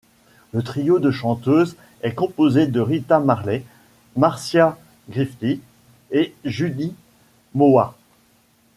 Le trio de chanteuses est composé de Rita Marley, Marcia Griffiths et Judy Mowatt.